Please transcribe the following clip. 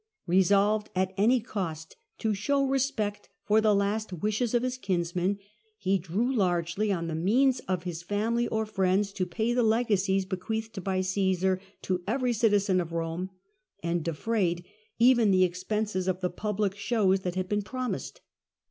Resolved at any cost to show respect for the last wishes of his kinsman, he drew largely on the means of his family or friends to pay the legacies bequeathed by Caesar to every citizen of Rome, and defrayed even the expenses of the public shows that had been promised.